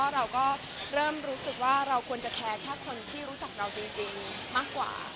เราก็เริ่มรู้สึกว่าเราควรจะแค้นแค่คนที่รู้จักเราจริงมากกว่า